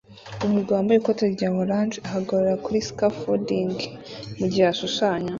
Umugabo wambaye ikoti rya orange ahagarara kuri scafolding mugihe ashushanya